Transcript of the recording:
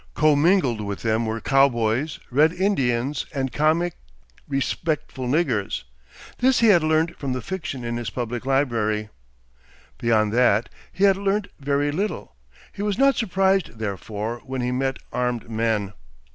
Commingled with them were cowboys, Red Indians, and comic, respectful niggers. This he had learnt from the fiction in his public library. Beyond that he had learnt very little. He was not surprised therefore when he met armed men.